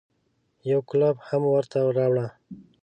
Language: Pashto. يو کولپ هم ورته راوړه.